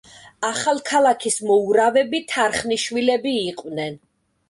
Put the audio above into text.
ახალქალაქის მოურავები თარხნიშვილები იყვნენ.